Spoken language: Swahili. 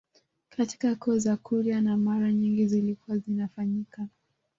Katika koo za kikurya na mara nyingi zilikuwa zinafanyika